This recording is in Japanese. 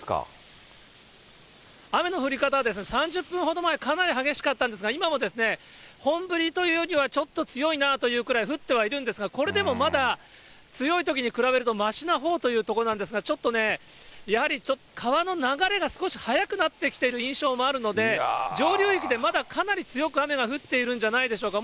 雨の降り方はですね、３０分ほど前、かなり激しかったんですが、今も本降りというよりは、ちょっと強いなというくらい降ってはいるんですが、これでもまだ強いときに比べるとましなほうというところなんですが、ちょっとね、やはりちょっと川の流れが少し速くなってきている印象もあるので、上流域でまだかなり強く雨が降っているんじゃないでしょうか。